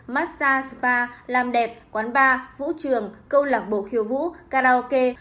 massage spa làm đẹp quán bar vũ trường câu lạc bộ khiêu vũ karaoke